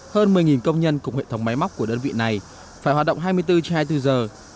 hơn một mươi công nhân cùng hệ thống máy móc của đơn vị này phải hoạt động hai mươi bốn trên hai mươi bốn giờ